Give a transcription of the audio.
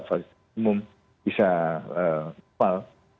fasilitas umum bisa kembali